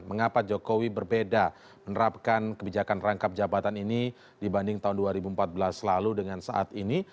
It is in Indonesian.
mengapa jokowi berbeda menerapkan kebijakan rangkap jabatan ini dibanding tahun dua ribu empat belas lalu dengan saat ini